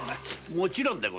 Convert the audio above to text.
もちろんで。